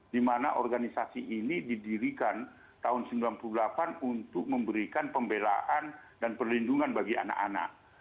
di mana organisasi ini didirikan tahun seribu sembilan ratus sembilan puluh delapan untuk memberikan pembelaan dan perlindungan bagi anak anak